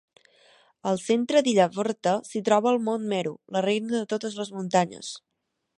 Al centre d'Ila-vrta s'hi troba el mont Meru, la reina de totes les muntanyes.